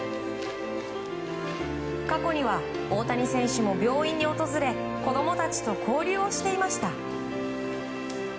過去には大谷選手も病院に訪れ子供たちと交流をしていました。